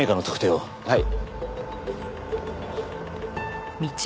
はい。